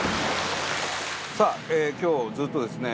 さあ今日ずっとですね